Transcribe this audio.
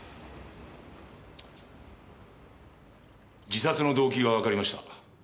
自殺の動機がわかりました。